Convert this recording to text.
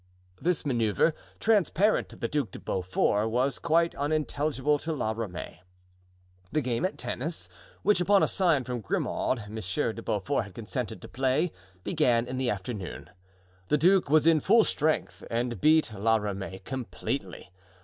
This manoeuvre, transparent to the Duc de Beaufort, was quite unintelligible to La Ramee. The game at tennis, which, upon a sign from Grimaud, Monsieur de Beaufort had consented to play, began in the afternoon. The duke was in full strength and beat La Ramee completely.